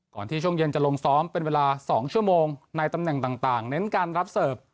ที่ช่วงเย็นจะลงซ้อมเป็นเวลา๒ชั่วโมงในตำแหน่งต่างเน้นการรับเสิร์ฟ